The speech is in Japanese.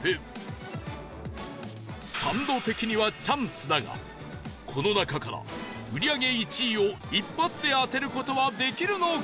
サンド的にはチャンスだがこの中から売り上げ１位を一発で当てる事はできるのか？